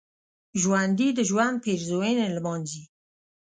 ژوندي د ژوند پېرزوینې لمانځي